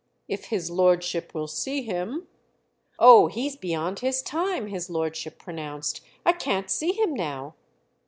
"If his lordship will see him." "Oh, he's beyond his time," his lordship pronounced—"I can't see him now!"